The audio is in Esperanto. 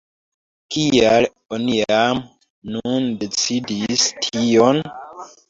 Kial oni jam nun decidis tion?